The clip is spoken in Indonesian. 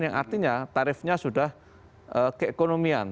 yang artinya tarifnya sudah keekonomian